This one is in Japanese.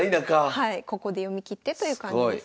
はいここで読みきってという感じです。